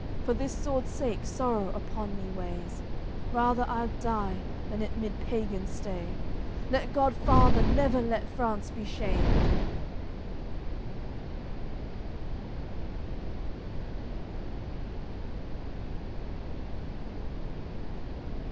For this sword's sake sorrow upon me weighs, Rather I'ld die, than it mid pagans stay. Lord God Father, never let France be shamed!"